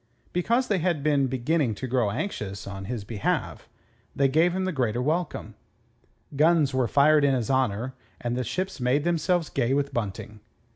Because they had been beginning to grow anxious on his behalf, they gave him the greater welcome. Guns were fired in his honour and the ships made themselves gay with bunting.